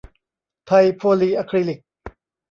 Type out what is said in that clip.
ไทยโพลีอะคริลิค